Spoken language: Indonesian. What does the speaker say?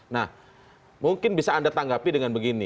nah mungkin bisa anda tanggapi dengan begini